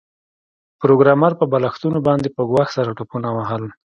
پروګرامر په بالښتونو باندې په ګواښ سره ټوپونه وهل